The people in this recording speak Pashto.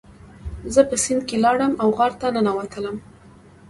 زه په سیند کې لاړم او غار ته ننوتلم.